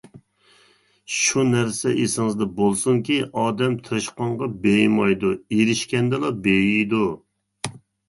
شۇ نەرسە ئېسىڭىزدە بولسۇنكى، ئادەم تىرىشقانغا بېيىمايدۇ، ئېرىشكەندىلا بېيىيدۇ.